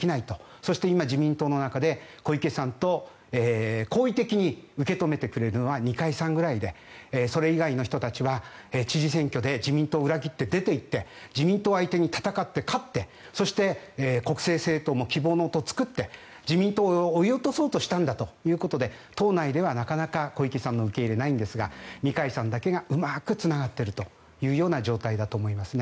そして今、自民党の中で小池さんを好意的に受け止めてくれるのは二階さんぐらいでそれ以外の人たちは知事選挙で自民党を裏切って出ていって自民党相手に戦って勝ってそして国政政党も希望の党を作って自民党を追い落とそうとしたということで党内では、なかなか小池さんの受け入れがないんですが二階さんだけがうまくつながっている状況だと思いますね。